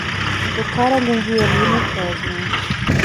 Tocar algum violino klezmer